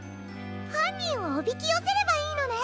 はんにんをおびきよせればいいのね。